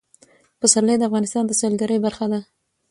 پسرلی د افغانستان د سیلګرۍ برخه ده.